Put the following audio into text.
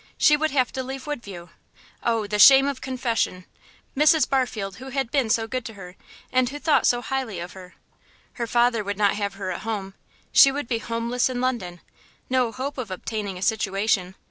She would have to leave Woodview. Oh, the shame of confession! Mrs. Barfield, who had been so good to her, and who thought so highly of her. Her father would not have her at home; she would be homeless in London. No hope of obtaining a situation....